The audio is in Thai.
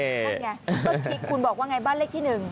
นั่นไงต้นทิกบ้านเลขที่๑